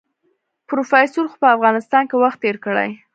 پروفيسر خو په افغانستان کې وخت تېر کړی.